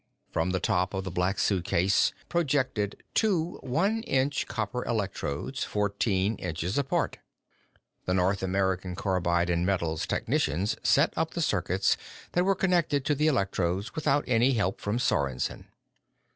From the top of the Black Suitcase projected two one inch copper electrodes, fourteen inches apart. The North American Carbide & Metals technicians set up the circuits that were connected to the electrodes without any help from Sorensen.